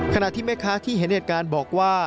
ขณะที่แม่ค้าที่เห็นเหตุการณ์บอกว่า